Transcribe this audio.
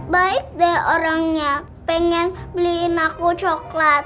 baik deh orangnya pengen beliin aku coklat